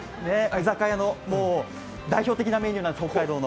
居酒屋の代表的なメニューなんです。